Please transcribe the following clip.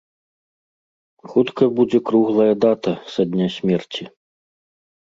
Хутка будзе круглая дата са дня смерці.